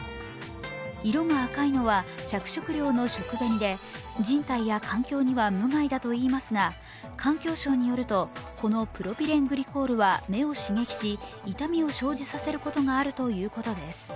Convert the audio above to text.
色が赤いのは着色料の食紅で人体や環境には無害だといいますが、環境省によると、このプロピレングリコールは目を刺激し痛みを生じさせることがあるということです。